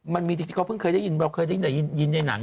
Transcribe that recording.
มันมีจริงเขาเพิ่งได้ยินเราเคยได้ยินในหนังใช่ไหมครับ